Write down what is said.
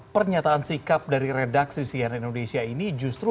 pernyataan sikap dari redaksi cnn indonesia ini justru